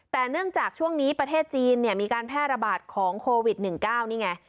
แต่เนื่องจากช่วงนี้ประเทศจีนเนี่ยมีการแพร่ระบาดของโควิด๑๙นี่ไง